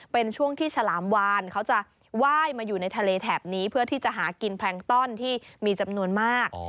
เป็นช่วงที่ฉลามวานเขาจะไหว้มาอยู่ในทะเลแถบนี้เพื่อที่จะหากินแพลงต้อนที่มีจำนวนมาก